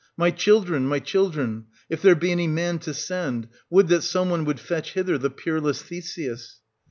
My children, my children ! If there be any man to send, would that some one would fetch hither the peerless Theseus